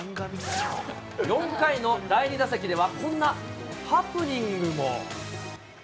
４回の第２打席では、こんなハプニングも。